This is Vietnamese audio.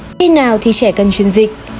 khi nào thì trẻ cần chuyên dịch